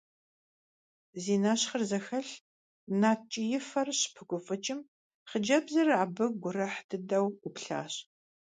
Зи нэщхъыр зэхэлъ, нарт ткӀиифэр щыпыгуфӀыкӀым, хъыджэбзыр абы гурыхь дыдэу Ӏуплъащ.